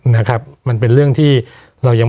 นะครับมันเป็นเรื่องที่เรายังไม่